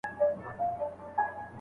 ایا ته د څېړنې اصول پېژنې؟